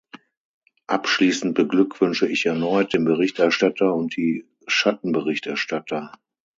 Abschließend beglückwünsche ich erneut den Berichterstatter und die Schattenberichterstatter.